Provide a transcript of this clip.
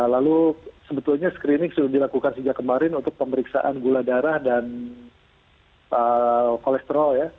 lalu sebetulnya screening sudah dilakukan sejak kemarin untuk pemeriksaan gula darah dan kolesterol ya